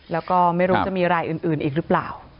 แล้วก็ไม่รู้จะมีรายอื่นอีกหรือเปล่า